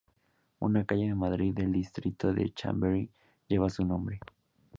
Una calle de Madrid del distrito de Chamberí lleva su nombre.